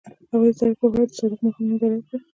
هغوی د سړک پر غاړه د صادق ماښام ننداره وکړه.